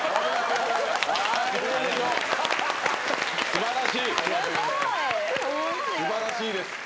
素晴らしいです。